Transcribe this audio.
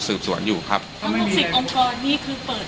สืบสวนอยู่ครับองค์กรนี่คือเปิดมานานหรือยังคะแล้วส่วนใหญ่เปิด